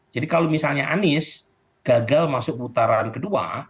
jadi kalau misalnya anies gagal masuk putaran kedua